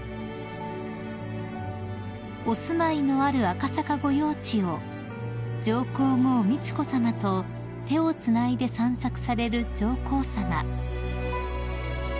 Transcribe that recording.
［お住まいのある赤坂御用地を上皇后美智子さまと手をつないで散策される上皇さま］